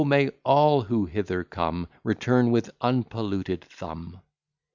may all who hither come, Return with unpolluted thumb!